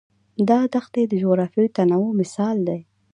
دا دښتې د جغرافیوي تنوع مثال دی.